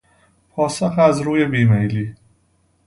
پاسخ از روی بیمیلی